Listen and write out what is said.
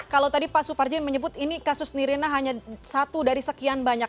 kalau tadi pak suparji menyebut ini kasus nirina hanya satu dari sekian banyak